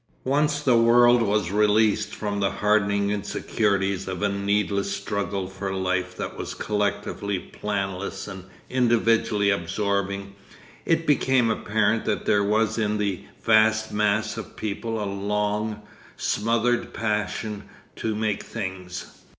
Once the world was released from the hardening insecurities of a needless struggle for life that was collectively planless and individually absorbing, it became apparent that there was in the vast mass of people a long, smothered passion to make things.